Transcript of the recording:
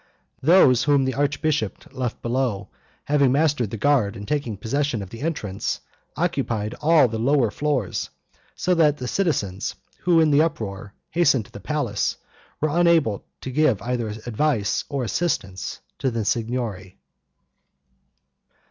Those whom the archbishop left below, having mastered the guard and taken possession of the entrance occupied all the lower floors, so that the citizens, who in the uproar, hastened to the palace, were unable to give either advice or assistance to the Signory.